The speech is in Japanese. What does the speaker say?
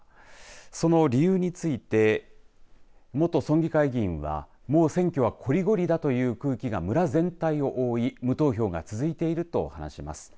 その理由について元村議会議員はもう選挙はこりごりだという空気が村全体を覆い無投票が続いていると話します。